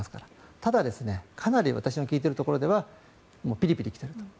ただ、かなり私の聞いているところはピリピリ来ていると。